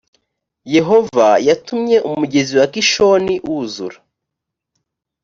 yehova yatumye umugezi wa kishoni wuzura